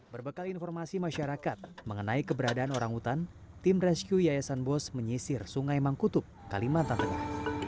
berbekal informasi masyarakat mengenai keberadaan orang hutan tim rescue yayasan bos menyisir sungai mangkutup kalimantan tengah